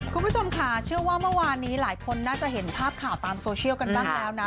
คุณผู้ชมค่ะเชื่อว่าเมื่อวานนี้หลายคนน่าจะเห็นภาพข่าวตามโซเชียลกันบ้างแล้วนะ